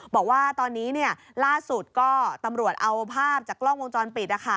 บอกว่าตอนนี้ล่าสุดก็ตำรวจเอาภาพจากกล้องวงจรปิด